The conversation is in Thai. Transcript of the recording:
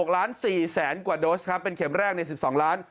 ๖ล้าน๔แสนกว่าโดสครับเป็นเข็มแรกใน๑๒ล้าน